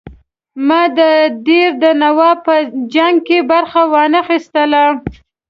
ما د دیر د نواب په جنګ کې برخه وانه خیستله.